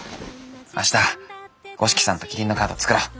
明日五色さんとキリンのカード作ろう。